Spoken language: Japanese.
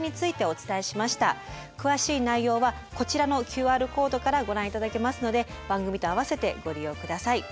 詳しい内容はこちらのＱＲコードからご覧いただけますので番組と合わせてご利用ください。